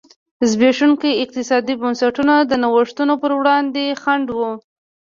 زبېښونکي اقتصادي بنسټونه د نوښتونو پر وړاندې خنډ و.